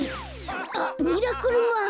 あっ「ミラクルマン」。